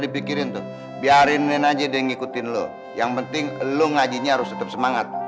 dipikirin tuh biarin aja dia ngikutin lo yang penting lo ngajinya harus tetep semangat